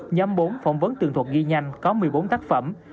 nhóm bốn phỏng vấn tường thuật ghi nhanh có một mươi bốn tác phẩm